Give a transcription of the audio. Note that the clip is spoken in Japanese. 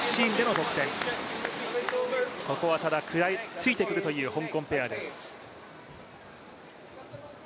ここは食らいついてくるという香港ペアです。